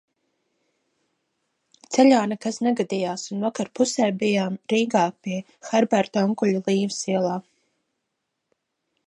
Ceļā nekas negadījās un vakarpusē bijām Rīgā pie Herberta onkuļa Līves ielā.